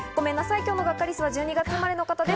今日のガッカりすは１２月生まれの方です。